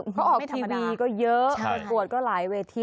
เพราะออกทีวีก็เยอะอวดก็หลายเวที